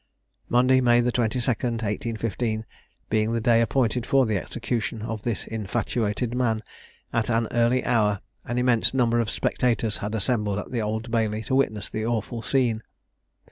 Monday, May the 22d, 1815, being the day appointed for the execution of this infatuated man, at an early hour an immense number of spectators had assembled in the Old Bailey to witness the awful scene.